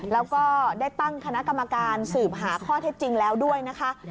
แล้วก็ได้ตั้งคณะกรรมการสืบหาข้อเท็จจริงแล้วด้วยนะคะ